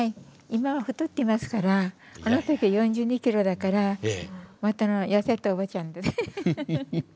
今は太ってますからあの時は４２キロだからもっと痩せたおばちゃんでふふふっ。